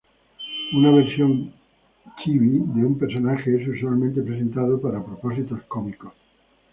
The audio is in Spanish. Una versión chibi de un personaje es usualmente presentado para propósitos cómicos.